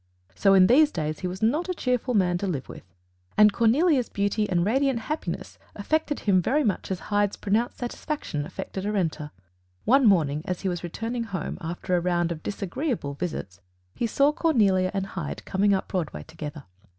So in these days he was not a cheerful man to live with, and Cornelia's beauty and radiant happiness affected him very much as Hyde's pronounced satisfaction affected Arenta. One morning, as he was returning home after a round of disagreeable visits, he saw Cornelia and Hyde coming up Broadway together.